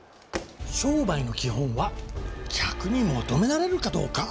商売の基本は「客に求められるかどうか」。